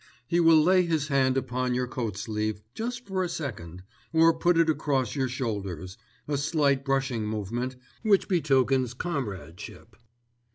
He will lay his hand upon your coatsleeve just for a second, or put it across your shoulders, a slight brushing movement, which betokens comradeship.